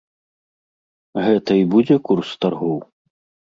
Гэта і будзе курс таргоў?